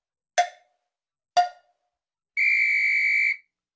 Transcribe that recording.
ピッ！